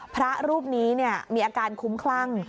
พระรูปนี้มีอาการคุ้มคลั่ง